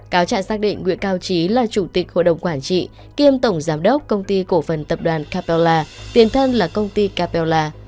cáo trạng xác định nguyễn cao trí là chủ tịch hội đồng quản trị kiêm tổng giám đốc công ty cổ phần tập đoàn capella tiền thân là công ty capella